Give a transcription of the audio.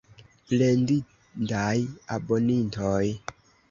Plendindaj abonintoj!